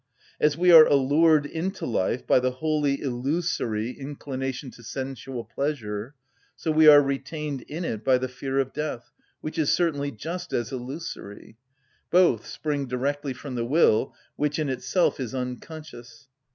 As we are allured into life by the wholly illusory inclination to sensual pleasure, so we are retained in it by the fear of death, which is certainly just as illusory. Both spring directly from the will, which in itself is unconscious.